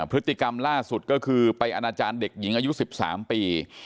พฤติกรรมล่าสุดก็คือไปอนาจารย์เด็กหญิงอายุ๑๓ปี